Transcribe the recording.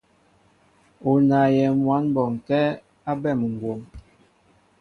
U naayɛ mwǎn bɔnkɛ́ bɛ́ muŋgwóm.